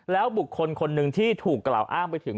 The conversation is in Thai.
แล้วบุคคลคนหนึ่งที่ถูกกล่าวอ้างไปถึง